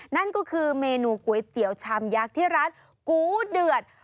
นั่นก็คือเมนูก๋วยเตี๋ยวชามยักษ์ที่ร้านกูเดือด